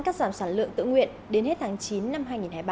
cắt giảm sản lượng tự nguyện đến hết tháng chín năm hai nghìn hai mươi ba